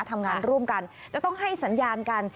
ทำงานร่วมกันจะต้องให้สัญญาณกัน